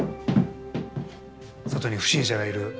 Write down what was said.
⁉外に不審者がいる。